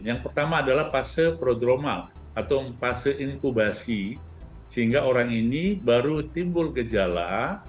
yang pertama adalah fase prodromal atau fase inkubasi sehingga orang ini baru timbul gejala